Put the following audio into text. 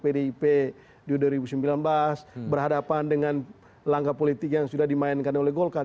pdip di dua ribu sembilan belas berhadapan dengan langkah politik yang sudah dimainkan oleh golkar